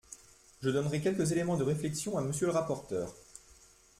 Je donnerai quelques éléments de réflexion à Monsieur le rapporteur.